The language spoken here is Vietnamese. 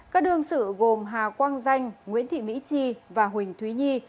các đương sự gồm hà quang danh nguyễn thị mỹ chi và huỳnh thúy nhi